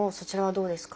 そうですか。